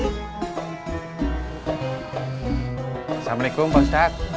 assalamualaikum pak ustadz